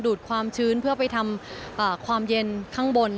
ดความชื้นเพื่อไปทำความเย็นข้างบน